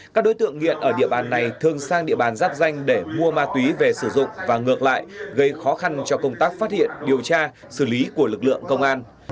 các đối tượng nghiện ở địa bàn này thường sang địa bàn giáp danh để mua ma túy về sử dụng và ngược lại gây khó khăn cho công tác phát hiện điều tra xử lý của lực lượng công an